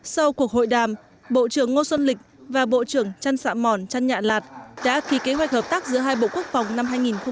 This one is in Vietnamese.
sau cuộc hội đàm bộ trưởng ngô xuân lịch và bộ trưởng trăn sạm mòn trăn nhạn lạt đã ký kế hoạch hợp tác giữa hai bộ quốc phòng năm hai nghìn một mươi tám